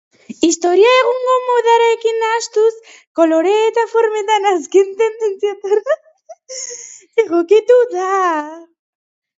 Historia egungo modarekin nahastuz, kolore eta formetan azken tendentzietara egokitu da.